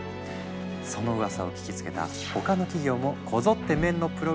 そのうわさを聞きつけた他の企業もこぞってメンのプログラムを導入。